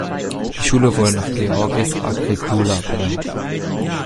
Die Schule wurde nach Georgius Agricola benannt.